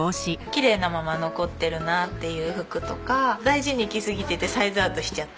きれいなまま残ってるなっていう服とか大事に着すぎててサイズアウトしちゃった。